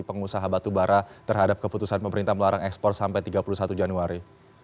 pengusaha batubara terhadap keputusan pemerintah melarang ekspor sampai tiga puluh satu januari